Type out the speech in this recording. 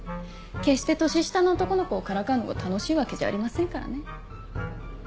決して年下の男の子をからかうのが楽しいわけじゃありませんからね。